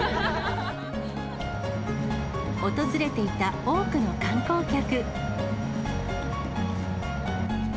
訪れていた多くの観光客。